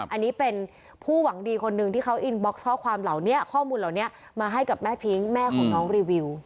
อันนี้เป็นผู้หวังดีคนหนึ่งที่เขาอินบ็อกซ์ข้อความเหล่านี้ข้อมูลเหล่านี้มาให้กับแม่พิ้งแม่ของน้องรีวิว